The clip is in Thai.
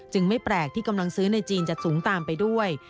ไม่แปลกที่กำลังซื้อในจีนจะสูงตามไปด้วย